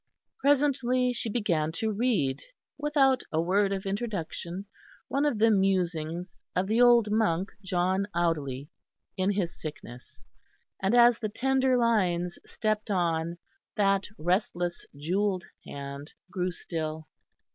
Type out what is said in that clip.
Presently she began to read, without a word of introduction, one of the musings of the old monk John Audeley in his sickness, and as the tender lines stepped on, that restless jewelled hand grew still.